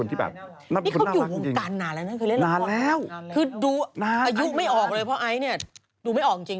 นี่เขาอยู่ห่วงตันหนาแล้วนะคือเล่นห่วงห่วงห่วงห่วง